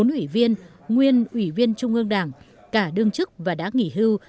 bốn ủy viên nguyên ủy viên trung ương đảng cả đương chức và đã nghỉ hưu